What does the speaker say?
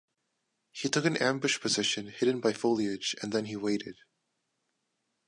He took an ambush position hidden by foliage and then he waited.